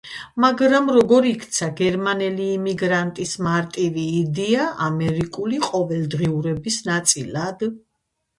მაგრამ, როგორ იქცა გერმანელი იმიგრანტის მარტივი იდეა, ამერიკული ყოველდღიურობის ნაწილად?